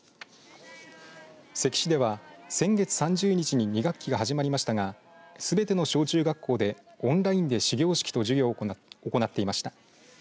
関市では先月３０日に２学期が始まりましたがすべての小中学校でオンラインで始業式と授業を行っていました。